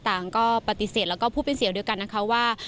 ต่างก็ปฏิเสธแล้วก็พูดเป็นเสียงเดียวกันนะคะว่า